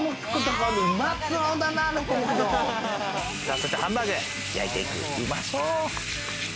そしてハンバーグ焼いていきましょう。